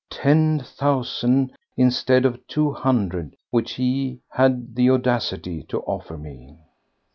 Ten thousand, instead of two hundred which he had the audacity to offer me!